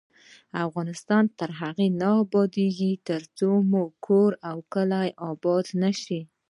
افغانستان تر هغو نه ابادیږي، ترڅو مو کور او کلی اباد نشي.